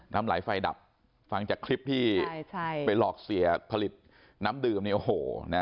น้ำไหลไฟดับฟังจากคลิปที่ไปหลอกเสียผลิตน้ำดื่มเนี่ยโอ้โหนะ